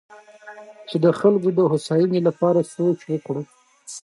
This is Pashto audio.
چې د خلکو د هوساینې لپاره سوچ وکړي.